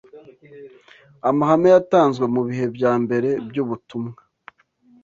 amahame yatanzwe mu bihe bya mbere by’ubutumwa